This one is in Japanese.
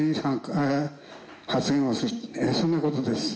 そんなことです。